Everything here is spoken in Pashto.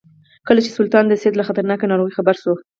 کله چې سلطان د سید له خطرناکې ناروغۍ خبر شو.